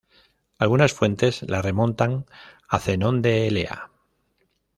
Algunas fuentes la remontan a Zenón de Elea.